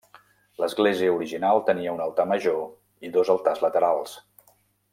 L'església original tenia un altar major i dos altars laterals.